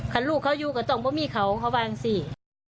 คันลูกเขาอยู่กันตรงบ้านมีเขาเขาบ้านสี่